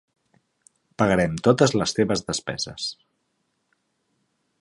Pagarem totes les teves despeses.